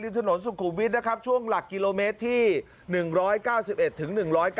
ถนนสุขุมวิทย์นะครับช่วงหลักกิโลเมตรที่๑๙๑ถึง๑๐๙